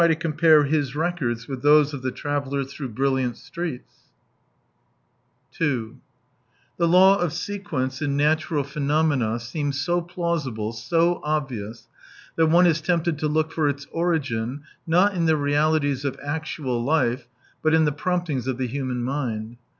to compare his records with those of the travellers through brilliant streets ? 15 2 The law of sequence in natural pheno mena seems so plausible, so obvious, that one is tempted to look for its origin, not in the realities of actual life, but in the promptings of the human mind.